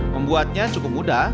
membuatnya cukup mudah